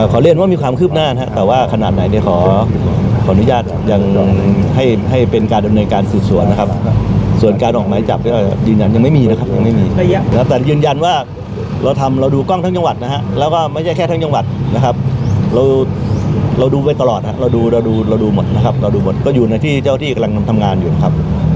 ขอเรียนว่ามีความคืบหน้านะครับแต่ว่าขนาดไหนเนี่ยขอขออนุญาตยังให้ให้เป็นการดำเนินการสืบสวนนะครับส่วนการออกหมายจับก็ยืนยันยังไม่มีนะครับยังไม่มีนะครับแต่ยืนยันว่าเราทำเราดูกล้องทั้งจังหวัดนะฮะแล้วก็ไม่ใช่แค่ทั้งจังหวัดนะครับเราเราดูไปตลอดครับเราดูเราดูเราดูหมดนะครับเราดูหมดก็อยู่ในที่เจ้าที่กำลังทำงานอยู่ครับ